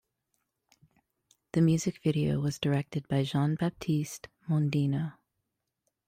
The music video was directed by Jean-Baptiste Mondino.